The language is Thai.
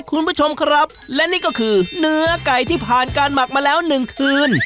คุณผู้ชมครับและนี่ก็คือเนื้อไก่ที่ผ่านการหมักมาแล้วหนึ่งคืน